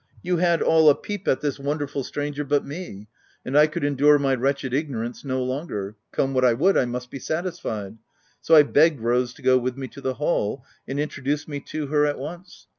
You had all had a peep at this wonder ful stranger, but me, and I could endure my wretched ignorance no longer come what would, I must be satisfied ; so I begged Rose to go with me to the Hall, and introduce me to her at once.